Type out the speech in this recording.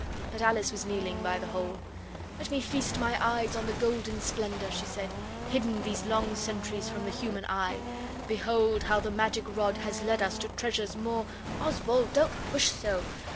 But Alice was kneeling by the hole. 'Let me feast my eyes on the golden splendour,' she said, 'hidden these long centuries from the human eye. Behold how the magic rod has led us to treasures more Oswald, don't push so!